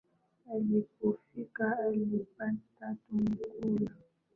Alipofika alipata tumekula